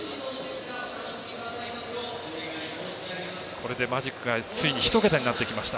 これでマジックがついに１桁になってきました。